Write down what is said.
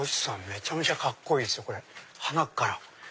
めちゃめちゃカッコいいっすよはなっから。